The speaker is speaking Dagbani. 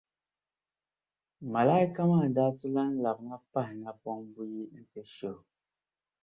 malaika maa daa ti lan labina pahi napɔŋ buyi nti shihi o.